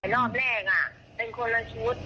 รอบนั้นชุดของคู่ขันสยษฐี